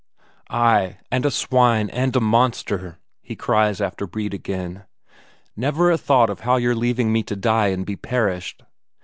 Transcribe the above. "Ay, and a swine and a monster," he cries after Brede again; "never a thought of how you're leaving me to lie and be perished.